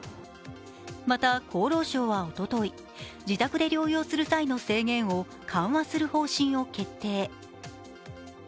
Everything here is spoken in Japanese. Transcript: また、厚労省はおととい、自宅で療養する際の制限を緩和する方針を決定。